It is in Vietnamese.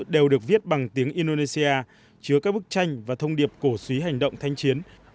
đều được viết bằng tiếng indonesia chứa các bức tranh và thông điệp cổ suý hành động thanh chiến